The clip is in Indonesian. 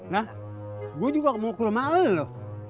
nah gue juga mau ke rumah lu